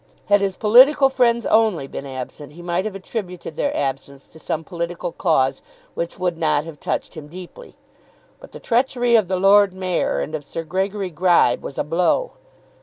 Had his political friends only been absent, he might have attributed their absence to some political cause which would not have touched him deeply. But the treachery of the Lord Mayor and of Sir Gregory Gribe was a blow.